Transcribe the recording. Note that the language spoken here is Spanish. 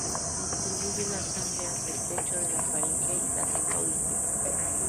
Distribuye la sangre hacia el techo de la faringe y la trompa auditiva.